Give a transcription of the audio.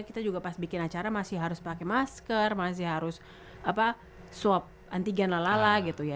kita juga pas bikin acara masih harus pakai masker masih harus swab antigen lalala gitu ya